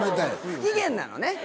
不機嫌なのね。